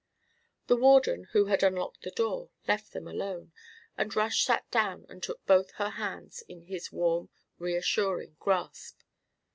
The Warden, who had unlocked the door, left them alone, and Rush sat down and took both her hands in his warm reassuring grasp.